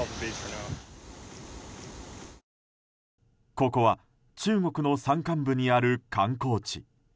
ここは中国の山間部にある観光地。